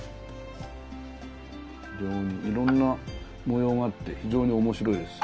いろんな模様があって非常に面白いです。